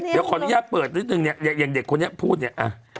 เดี๋ยวขออนุญาตเปิดนิดนึงเนี่ยอย่างเด็กคนนี้พูดเนี่ย